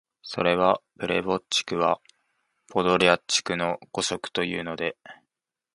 それは「ペレヴォッチクはポドリャッチクの誤植」というので、